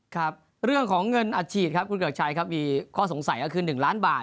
ครับเรื่องของเงินอัดฉีดครับคุณเกือกชัยครับมีข้อสงสัยก็คือ๑ล้านบาท